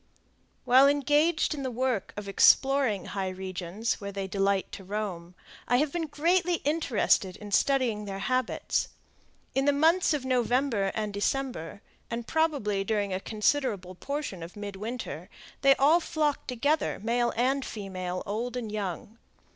While engaged in the work of exploring high regions where they delight to roam I have been greatly interested in studying their habits. In the months of November and December, and probably during a considerable portion of midwinter, they all flock together, male and female, old and young.